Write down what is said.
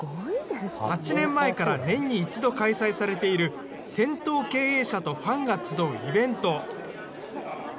８年前から年に一度開催されている銭湯経営者とファンが集うイベント。